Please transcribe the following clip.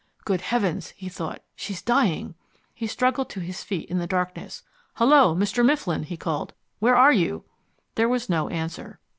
"Good heavens," he thought. "She's dying!" He struggled to his feet in the darkness. "Hullo, Mr. Mifflin," he called, "where are you?" There was no answer.